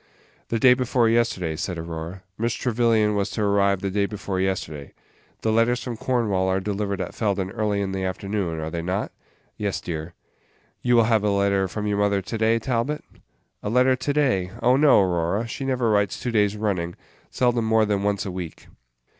"The day before yesterday," said Aurora; "Miss Trevyllian was to arrive the day before yesterday. The letters from Cornwall are delivered at Felden early in the afternoon, are they not?" "Yes, dear." "You will have a letter from your mother to day, Talbot?" "A letter to day! oh, no, Aurora, she never writes two days running; seldom more than once a week."